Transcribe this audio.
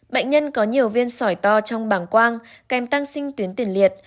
bệnh nhân có nhiều viên sỏi to trong bảng quang kèm tăng sinh tuyến tiền liệt